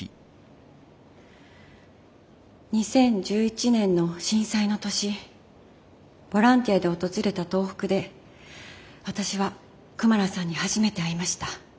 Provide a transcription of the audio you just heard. ２０１１年の震災の年ボランティアで訪れた東北で私はクマラさんに初めて会いました。